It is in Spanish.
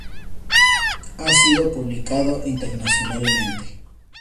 Ha sido publicado internacionalmente.